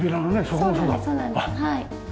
はい。